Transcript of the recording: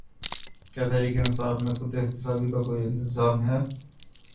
کیا تحریک انصاف میں خود احتسابی کا کوئی نظام ہے؟